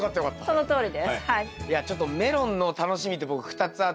そのとおりです。